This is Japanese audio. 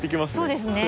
そうですね。